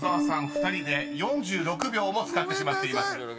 ２人で４６秒も使ってしまっています］